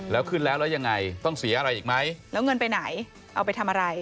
แล้วเงินไปไหนเอาไปทำอะไร